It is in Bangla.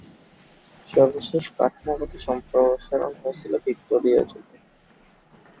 সর্বশেষ কাঠামোগত সম্প্রসারণ হয়েছিল ভিক্টোরীয় যুগে।